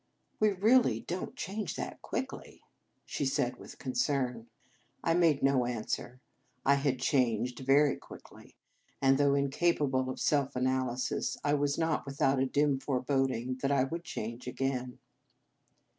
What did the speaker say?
" We really don t change that quickly," she said with concern. I made no answer. I had " changed " very quickly, and, though incapable of self analysis, I was not without a dim foreboding that I would change again.